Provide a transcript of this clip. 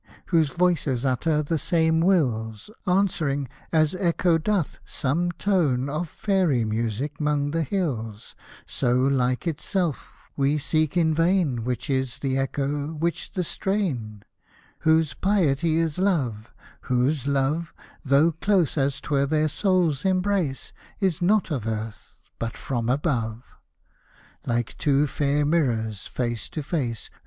Whose voices utter the same wills — Answering, as Echo doth some tone Of fairy music 'mong the hills, So like itself, we seek in vain Which is the echo, which the strain — Whose piety is love, whose love, Though close as 'twere their souls' embrace Is not of earth, but from above — Like two fair mirrors, face to face.